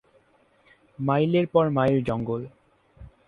মাইলের পর মাইল জঙ্গল।